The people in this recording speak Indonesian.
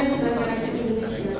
saya sebagai rakyat indonesia